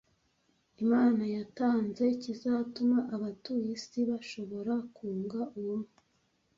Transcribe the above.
Imana yatanze kizatuma abatuye isi bashobora kunga ubumwe